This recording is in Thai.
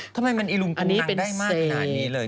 ทำไมมันอีลุมพนังได้มากขนาดนี้เลย